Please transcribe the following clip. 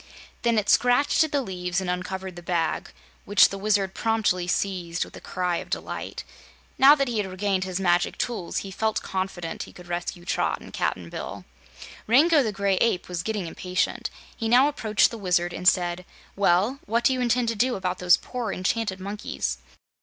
Then it scratched at the leaves and uncovered the bag, which the Wizard promptly seized with a cry of delight. Now that he had regained his Magic Tools, he felt confident he could rescue Trot and Cap'n Bill. Rango the Gray Ape was getting impatient. He now approached the Wizard and said: "Well, what do you intend to do about those poor enchanted monkeys?"